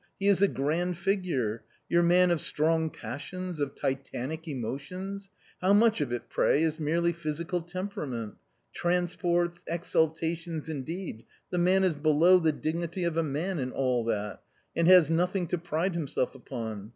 He is a grand figure — your man of strong passions, of titanic emotions ! How much of it pray is merely physical tem perament? Transports, exultations indeed, the man is below the dignity of a man in all that, and has nothing to pride himself upon.